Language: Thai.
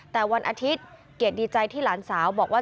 แต่วันอาทิตย์เกียรติใจที่หลานสาวบอกว่า